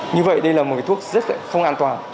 như vậy đây là một cái thuốc rất là không an toàn